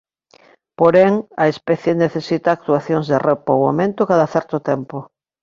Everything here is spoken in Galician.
Porén a especie necesita actuacións de repoboamento cada certo tempo.